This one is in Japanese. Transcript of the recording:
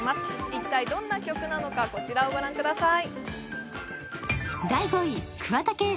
一体どんな曲なのかこちらをご覧ください。